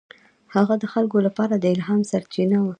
هغه د خلکو لپاره د الهام سرچینه وه.